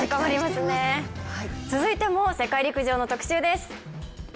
続いても世界陸上の特集です。